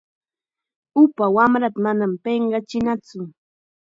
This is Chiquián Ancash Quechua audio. Upa wamrata manam pinqakachinatsu.